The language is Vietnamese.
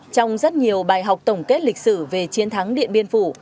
trong rất nhiều bài học tổng kết lịch sử về chiến thắng điện biên phủ